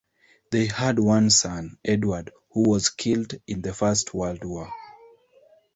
They had one son, Edward, who was killed in the First World War.